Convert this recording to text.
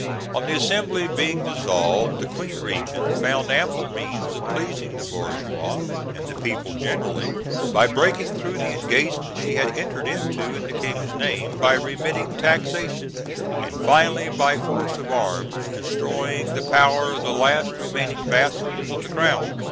On the Assembly being dissolved, the Queen Regent found ample means of pleasing the bourgeois and the people generally by breaking through the engagements she had entered into in the King's name, by remitting taxation, and finally by force of arms destroying the power of the last remaining vassals of the crown.